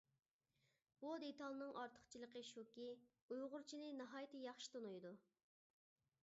بۇ دېتالنىڭ ئارتۇقچىلىقى شۇكى، ئۇيغۇرچىنى ناھايىتى ياخشى تونۇيدۇ.